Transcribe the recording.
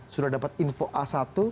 sudah dapat info a satu